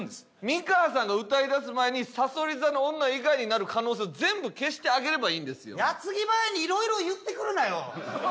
美川さんが歌い出す前にさそり座の女以外になる可能性を全部消してあげればいいんですよ。矢継ぎ早にいろいろ言ってくるなよ！